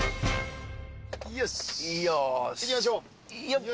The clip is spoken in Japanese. よし行きましょう。